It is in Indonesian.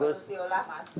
harus diolah mas